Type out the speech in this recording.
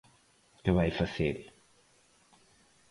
¿Que vai facer?